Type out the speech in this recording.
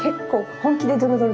本気のドロドロ。